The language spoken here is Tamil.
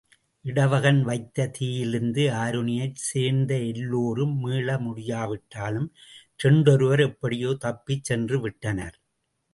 இடவகன் வைத்த தீயிலிருந்து ஆருணியைச் சேர்ந்த எல்லோரும் மீள முடியாவிட்டாலும், இரண்டொருவர் எப்படியோ தப்பிச் சென்றுவிட்டனர்.